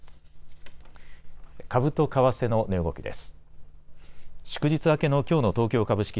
株と為替の値動きです。